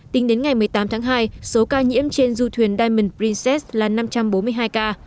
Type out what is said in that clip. tính đến ngày một mươi tám tháng hai số ca nhiễm trên du thuyền diamond princess là năm trăm bốn mươi hai ca